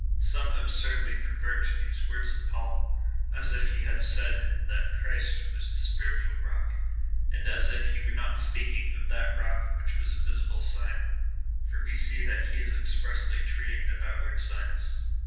Some absurdly pervert these words of Paul, as if he had said, that Christ was the spiritual rock, and as if he were not speaking of that rock which was a visible sign, for we see that he is expressly treating of outward signs.